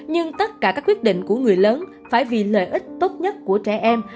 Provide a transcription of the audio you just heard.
nhưng tất cả các quyết định của người lớn phải vì lợi ích tốt nhất của trẻ em